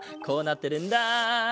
こうなってるんだ。